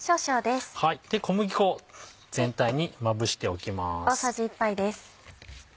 小麦粉を全体にまぶしておきます。